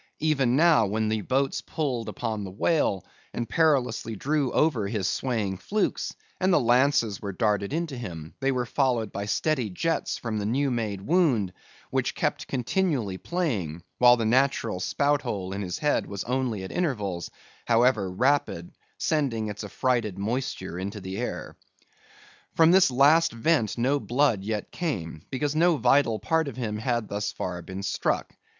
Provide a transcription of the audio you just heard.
Even now, when the boats pulled upon this whale, and perilously drew over his swaying flukes, and the lances were darted into him, they were followed by steady jets from the new made wound, which kept continually playing, while the natural spout hole in his head was only at intervals, however rapid, sending its affrighted moisture into the air. From this last vent no blood yet came, because no vital part of him had thus far been struck.